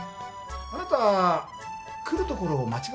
あなた来るところを間違えてませんか？